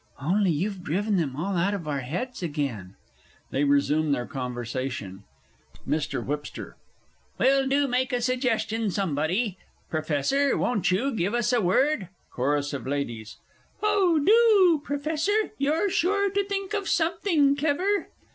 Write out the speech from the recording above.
Only you've driven them all out of our heads again! [They resume their conversation. MR. WH. Well, do make a suggestion, somebody! Professor, won't you give us a Word? CHORUS OF LADIES. Oh, do, Professor you're sure to think of something clever!